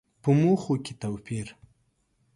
په موخو کې توپير.